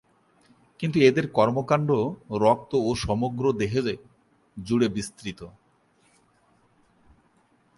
কিন্তু এদের কর্মকাণ্ড রক্ত ও সমগ্র দেহে জুড়ে বিস্তৃত।